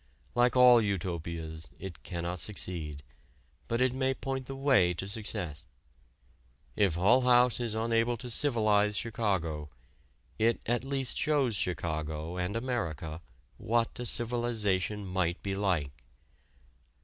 Like all utopias, it cannot succeed, but it may point the way to success. If Hull House is unable to civilize Chicago, it at least shows Chicago and America what a civilization might be like.